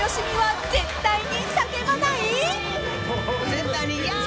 絶対に「や！」